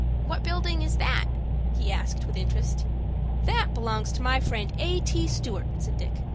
"What building is that?" he asked, with interest. "That belongs to my friend A. T. Stewart," said Dick.